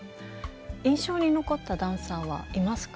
印象に残ったダンサーはいますか？